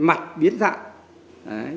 mặt biến dạng